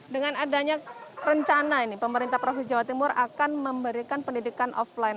dengan adanya rencana ini pemerintah provinsi jawa timur akan memberikan pendidikan offline